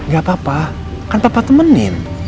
gak apa apa kan papa temenin